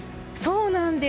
そうなんです。